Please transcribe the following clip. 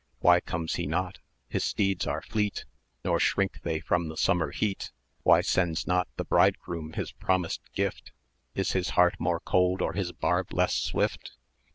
"Why comes he not? his steeds are fleet, Nor shrink they from the summer heat; Why sends not the Bridegroom his promised gift? Is his heart more cold, or his barb less swift?